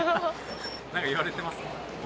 なんか言われてます？